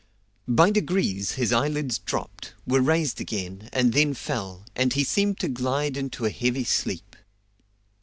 By degrees his eyelids dropped, were raised again, and then fell, and he seemed to glide into a heavy sleep.